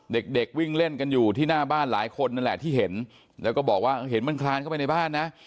เด็กเด็กวิ่งเล่นกันอยู่ที่หน้าบ้านหลายคนนั่นแหละที่เห็นแล้วก็บอกว่าเห็นมันคลานเข้าไปในบ้านนะ